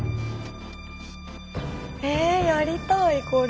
えやりたいこれ。